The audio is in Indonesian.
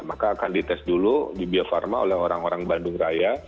maka akan dites dulu di bio farma oleh orang orang bandung raya